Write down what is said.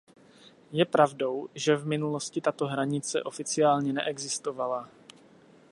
Je pravdou, že v minulosti tato hranice oficiálně neexistovala.